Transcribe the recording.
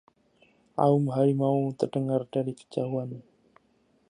aum harimau terdengar dari kejauhan